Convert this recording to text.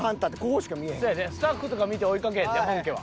そうやでスタッフとか見て追いかけへんで本家は。